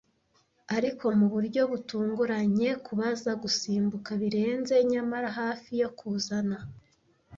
Ariko mu buryo butunguranye kubaza, gusimbuka birenze nyamara hafi yo kuzana;